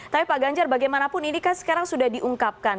tapi pak ganjar bagaimanapun ini kan sekarang sudah diungkapkan